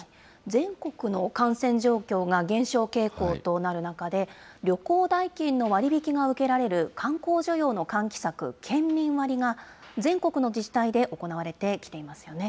全国の感染状況が減少傾向となる中で、旅行代金の割り引きが受けられる観光需要の喚起策、県民割が、全国の自治体で行われてきていますよね。